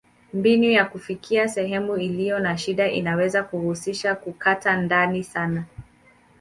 Mbinu ya kufikia sehemu iliyo na shida inaweza kuhusisha kukata ndani sana.